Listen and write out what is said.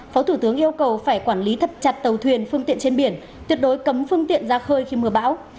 phó thủ tướng yêu cầu phải quản lý thật chặt tàu thuyền phương tiện trên biển tuyệt đối cấm phương tiện ra khơi khi mưa bão